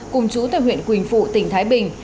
cùng chú tại huyện quỳnh phụ tỉnh thái bình